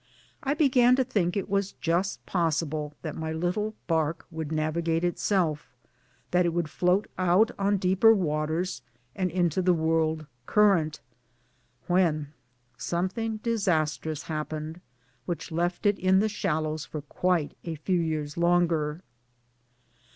I began to think it was just possible that my little bark would navigate itself, that it would float out on deeper waters and into the world current ; when something disastrous happened which left it in the shallows for quite a few years longer.